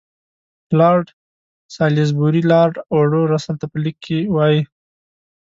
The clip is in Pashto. لارډ سالیزبوري لارډ اوډو رسل ته په لیک کې وایي.